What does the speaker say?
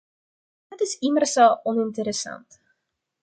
Dat is immers oninteressant.